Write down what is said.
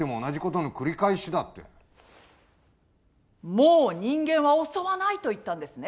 「もう人間は襲わない」と言ったんですね？